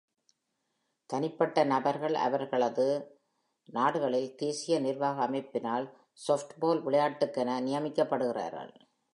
தனிப்பட்ட நபர்கள் அவர்களது நாடுகளில் தேசிய நிர்வாக அமைப்பினால் softball விளையாட்டுக்கென நியமிக்கப்படுகிறார்கள்.